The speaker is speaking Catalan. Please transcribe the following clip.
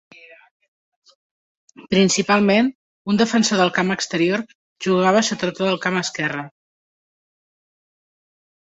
Principalment un defensor del camp exterior, jugava sobre tot al camp esquerre.